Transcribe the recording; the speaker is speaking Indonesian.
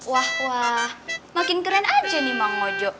wah wah makin keren aja nih mang ojo